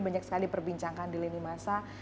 banyak sekali perbincangkan di lini masa